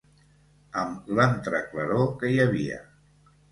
Amb l'entreclaror que hi havia